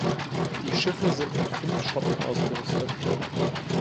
Die Schiffe sind mit fünf Schotten ausgerüstet.